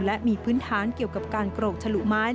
และมีพื้นฐานเกี่ยวกับการโกรกฉลุไม้